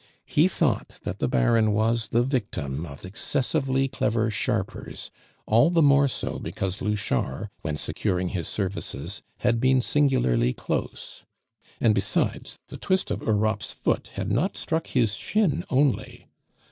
He thought that the Baron was the victim of excessively clever sharpers, all the more so because Louchard, when securing his services, had been singularly close. And besides, the twist of Europe's foot had not struck his shin only.